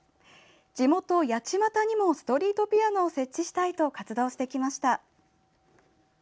地元・八街にもストリートピアノを設置したいと活動してきました。